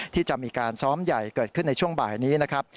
ที่จะมีการซ้อมใหญ่เกิดขึ้นในช่วงบ่ายนี้นะครับ